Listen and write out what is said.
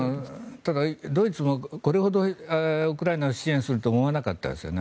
ただ、ドイツもこれほどウクライナを支援すると思わなかったですよね。